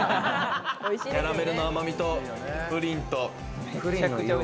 キャラメルの甘みとプリンと。